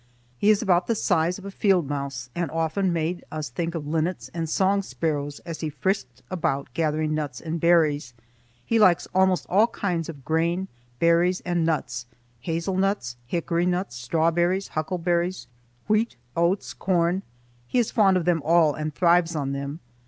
He is about the size of a field mouse, and often made us think of linnets and song sparrows as he frisked about gathering nuts and berries. He likes almost all kinds of grain, berries, and nuts,—hazel nuts, hickory nuts, strawberries, huckleberries, wheat, oats, corn,—he is fond of them all and thrives on them.